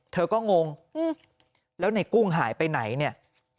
เธอก็งงแล้วในกุ้งหายไปไหนเนี่ย